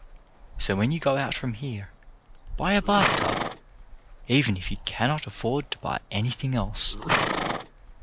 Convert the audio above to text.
So when you go out from here, buy a bathtub, even if you cannot afford to buy anything else.